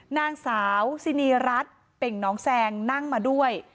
นางสาวซินีรัฐเป่งน้องแซงนั่งมาด้วย